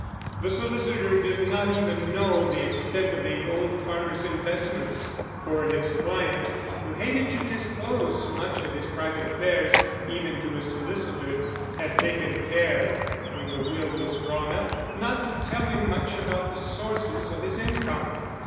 The solicitor did not even know the extent of the old farmer's investments, for his client, who hated to disclose much of his private affairs even to his solicitor, had taken care when the will was drawn up not to tell him much about the sources of his income.